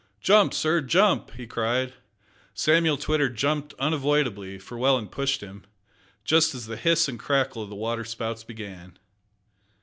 "Jump, sir, jump!" he cried. Samuel Twitter jumped unavoidably, for Welland pushed him just as the hiss and crackle of the water spouts began.